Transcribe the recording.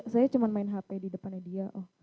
saya cuma main hp di depannya dia oh